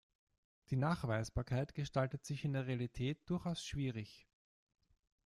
Die Nachweisbarkeit gestaltet sich in der Realität durchaus schwierig.